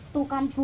tuh kan bu